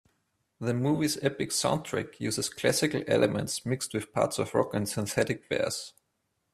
The movie's epic soundtrack uses classical elements mixed with parts of rock and synthetic bass.